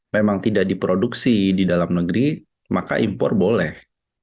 memang tidak diproduksi di dalam negeri maka impor boleh